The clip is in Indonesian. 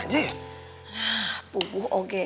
nah pungguh oge